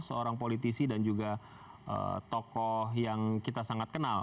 seorang politisi dan juga tokoh yang kita sangat kenal